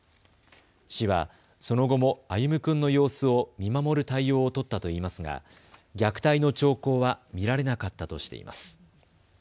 市はその後も歩夢君の様子を見守る対応を取ったといいますが虐待の兆候は見られなかったとしています。